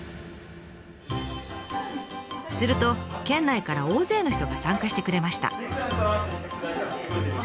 すると県内から大勢の人が参加してくれました。